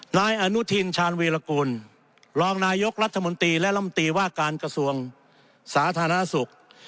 นายอนุทินชาญวีรกูลรองนายกรัฐมนตรีและลำตีว่าการกระทรวงสาธารณสุข